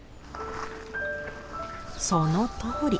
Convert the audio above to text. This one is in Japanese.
そのとおり。